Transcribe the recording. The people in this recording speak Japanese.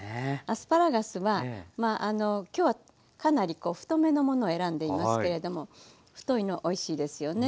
アスパラガスは今日はかなり太めのものを選んでいますけれども太いのおいしいですよね。